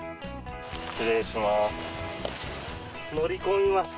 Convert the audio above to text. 失礼します。